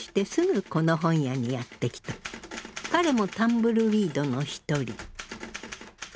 彼もタンブルウィードの一人。